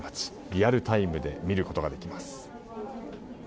リアルタイムで見ることができます。